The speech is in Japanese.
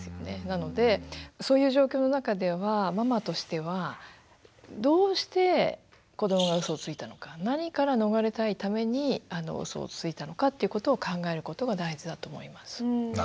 なのでそういう状況の中ではママとしてはどうして子どもがうそをついたのか何から逃れたいためにうそをついたのかということを考えることが大事だと思います。